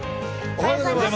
おはようございます。